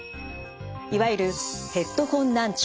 いわゆるヘッドホン難聴